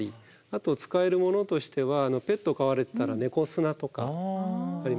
あと使えるものとしてはペットを飼われてたら猫砂とかありますよね。